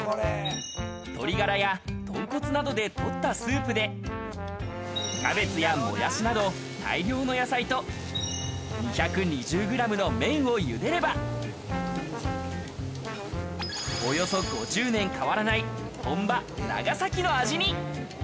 鶏ガラや豚骨などでとったスープでキャベツやモヤシなど大量の野菜と２２０グラムの麺を茹でれば、およそ５０年変わらない本場長崎の味に。